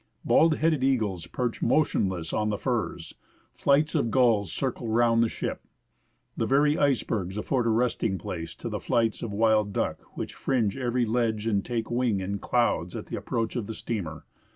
Bald headed eagles perch motionless on the firs, flights of gulls circle round the ship ; the very icebergs afford a resting place to the flights of wild duck which fringe every ledge and take wing in clouds at the approach of the steamer.